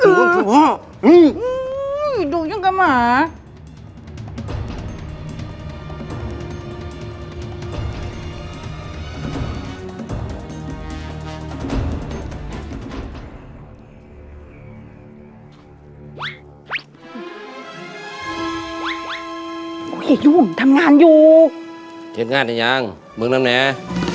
กูเห็นอยู่เหมือนทำงานอยู่เก็บงานได้ยังมึงน้ำเนอร์